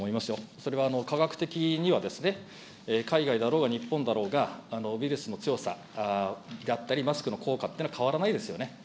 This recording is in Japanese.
それは科学的には海外だろうが日本だろうが、ウイルスの強さであったり、マスクの効果っていうのは変わらないですよね。